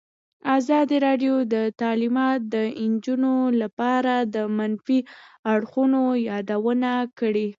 ازادي راډیو د تعلیمات د نجونو لپاره د منفي اړخونو یادونه کړې.